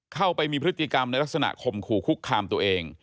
เข้าไปมีพฤติกรรมในลักษณะข่มขู่คุกคามตัวเอง